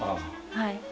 はい。